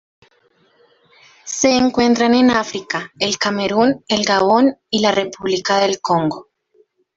Se encuentran en África: el Camerún, el Gabón y la República del Congo.